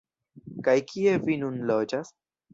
Kaj kie vi nun loĝas?